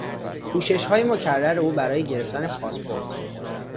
کوششهای مکرر او برای گرفتن پاسپورت